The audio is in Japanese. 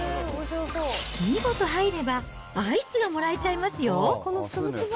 見事入れば、アイスがもらえちゃいますよ。